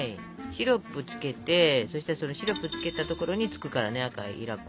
シロップつけてそしたらそのシロップつけたところにつくからね赤いいら粉。